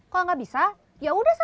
kalau gak bisa yaudah sana